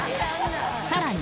さらに。